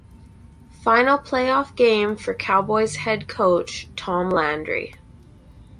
Final playoff game for Cowboys head coach Tom Landry.